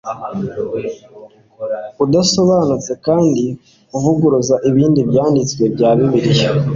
udasobanutse kandi uvuguruza ibindi byanditswe bya bibiliya